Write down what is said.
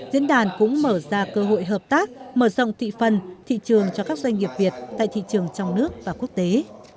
diễn đàn cũng mở ra cơ hội hợp tác mở rộng thị phần thị trường cho các doanh nghiệp việt tại thị trường trong nước và quốc tế